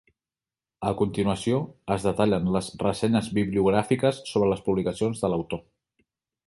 A continuació es detallen les ressenyes bibliogràfiques sobre les publicacions de l'autor.